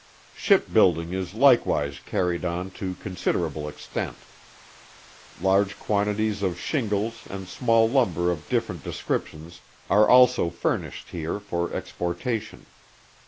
Ship building is likewise carried on to considerable extent. Large quantities of shingles and small lumber of different descriptions are also furnished here for exportation.